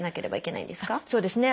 そうですね。